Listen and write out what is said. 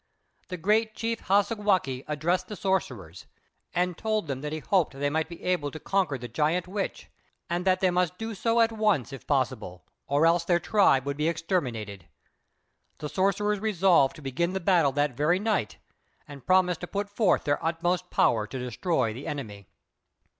The great chief Hassagwākq' addressed the sorcerers, and told them that he hoped they might be able to conquer the Giant Witch, and that they must do so at once if possible, or else their tribe would be exterminated. The sorcerers resolved to begin the battle the very next night, and promised to put forth their utmost power to destroy the enemy.